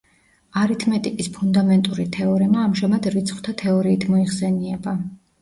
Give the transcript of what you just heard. არითმეტიკის ფუნდამენტური თეორემა ამჟამად რიცხვთა თეორიით მოიხსენიება.